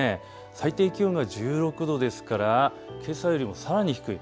最低気温が１６度ですからけさよりもさらに低い。